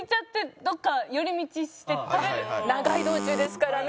長い道中ですからね。